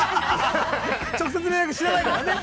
◆直接メルアド知らないからね。